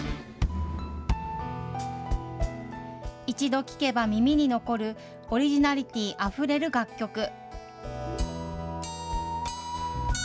一度聴けば耳に残る、オリジナリティあふれる楽曲。